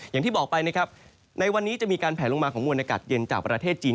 อย่างที่บอกไปนะครับในวันนี้จะมีการแผลลงมาของมวลอากาศเย็นจากประเทศจีน